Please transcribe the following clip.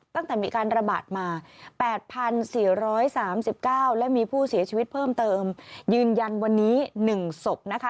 ตั้งแต่มีการระบาดมา๘๔๓๙และมีผู้เสียชีวิตเพิ่มเติมยืนยันวันนี้๑ศพนะคะ